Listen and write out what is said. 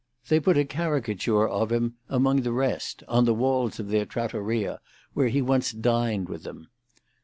They put a caricature of him among the rest on the walls of their trattoria, where he once dined with them.